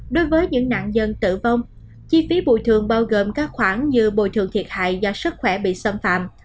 đối với những nạn nhân tử vong chi phí bồi thường bao gồm các khoản như bồi thường thiệt hại do sức khỏe bị xâm phạm